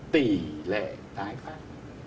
tỷ lệ tái phát